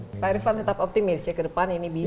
pak irfan tetap optimis ya ke depan ini bisa